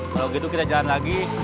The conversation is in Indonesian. kalau gitu kita jalan lagi